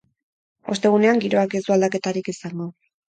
Ostegunean, giroak ez du aldaketarik izango.